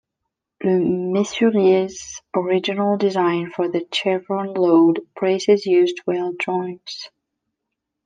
LeMessurier's original design for the chevron load braces used welded joints.